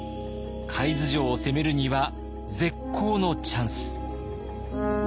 海津城を攻めるには絶好のチャンス。